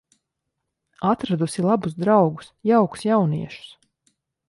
Atradusi labus draugus, jaukus jauniešus.